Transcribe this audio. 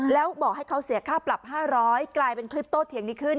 แล้วบอกให้เขาเสียค่าปรับ๕๐๐กลายเป็นคลิปโตเถียงนี้ขึ้น